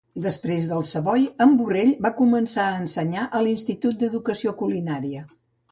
Després del Savoy, en Burrell va començar a ensenyar a l'Institut d'Educació Culinària.